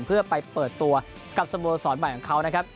เพื่อไปเปิดตัวกับสโมสรใหม่ของเขานะครับ